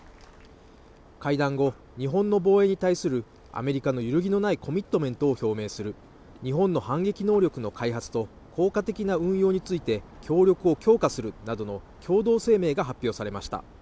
会談後、日本の防衛に対するアメリカの揺るぎのないコミットメントを表明する、日本の反撃能力の開発と効果的な運用について協力を強化するなどの共同声明が発表されました。